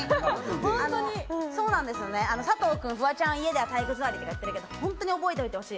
佐藤君、フワちゃん家では体育座りって言ってたけど、ほんとに覚えておいてほしい。